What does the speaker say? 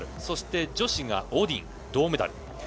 そして女子がオディン、銅メダル。